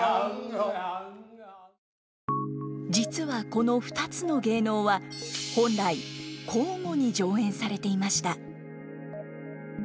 実はこの２つの芸能は本来交互に上演されていました。